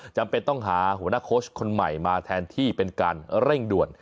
จำเป็นต้องหาหัวหน้าโค้ชคนใหม่มาแทนที่เป็นการเร่งด่วน